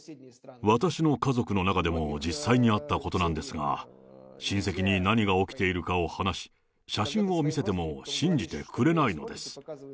私の家族の中でも実際にあったことなんですが、親戚に何が起きているかを話し、写真を見せても信じてくれないのです。